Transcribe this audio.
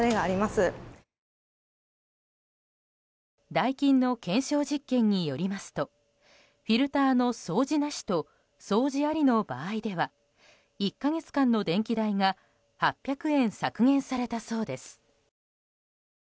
ダイキンの検証実験によりますとフィルターの掃除なしと掃除ありの場合では１か月間の電気代が８００円削減されたそうです。